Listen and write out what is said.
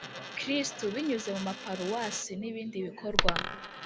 Kristu binyuze mu maparuwasi nibindi bikorwa